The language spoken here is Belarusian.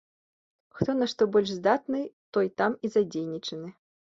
Хто на што больш здатны, той там і задзейнічаны.